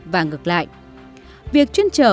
và ngược lại việc chuyên trở